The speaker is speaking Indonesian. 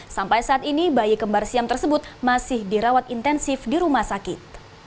sampai saat ini bayi kembar siam tersebut masih dirawat intensif di rumah sakit